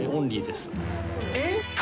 えっ？